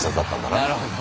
なるほど。